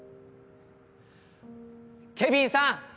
ケビンさん！